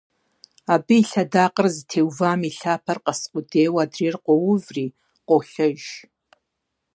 Абы и лъэдакъэр зытеувам и лъапэр къэс къудейуэ адрейр къоуври, къолъэж.